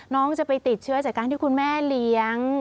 น้องจะไปติดเชื้อจากการที่คุณแม่เลี้ยง